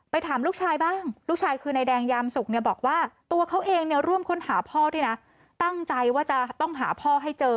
ถามลูกชายบ้างลูกชายคือนายแดงยามสุกเนี่ยบอกว่าตัวเขาเองเนี่ยร่วมค้นหาพ่อด้วยนะตั้งใจว่าจะต้องหาพ่อให้เจอ